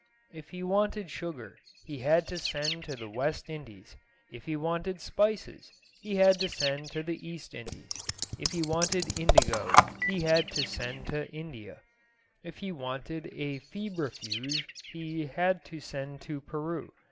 If he wanted sugar he had to send to the West Indies. If he wanted spices he had to send to the East Indies. If he wanted indigo he had to send to India. If he wanted a febrifuge he had to send to Peru.